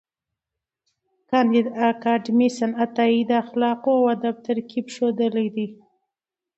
کانديد اکاډميسن عطایي د اخلاقو او ادب ترکیب ښوولی دی.